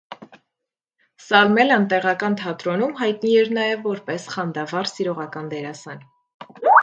Սալմելան տեղական թատրոնում հայտնի էր նաև որպես խանդավառ սիրողական դերասան։